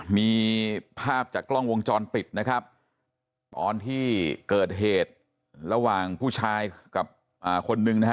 มีภาพจากกล้องวงจรปิดนะครับตอนที่เกิดเหตุระหว่างผู้ชายกับคนนึงนะฮะ